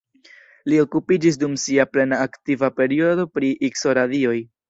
Li okupiĝis dum sia plena aktiva periodo pri Ikso-radioj.